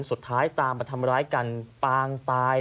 สุดท้ายตามมาทำร้ายกันปางตาย